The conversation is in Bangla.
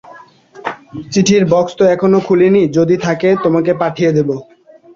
চিঠির বাক্স তো এখনো খুলি নি, যদি থাকে তোমাকে পাঠিয়ে দেব।